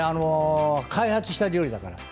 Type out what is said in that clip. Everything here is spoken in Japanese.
開発した料理だからね。